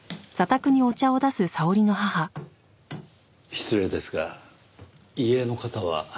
失礼ですが遺影の方は？